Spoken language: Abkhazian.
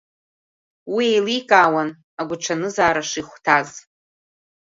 Уи еиликаауан агәаҽанызаара шихәҭаз.